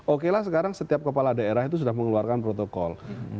oke lah sekarang setiap kepala daerah itu sudah mengeluarkan protokol